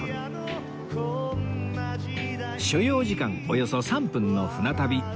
所要時間およそ３分の船旅